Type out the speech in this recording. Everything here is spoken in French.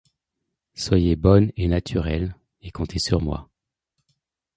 Soyez bonne et naturelle et comptez sur moi.